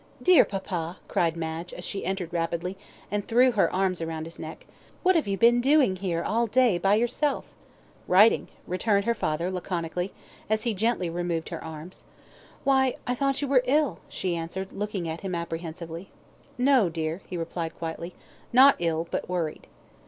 "Dear papa," cried Madge, as she entered rapidly, and threw her arms around his neck, "what have you been doing here all day by yourself?" "Writing," returned her father laconically, as he gently removed her arms. "Why, I thought you were ill," she answered, looking at him apprehensively. "No, dear," he replied, quietly. "Not ill, but worried."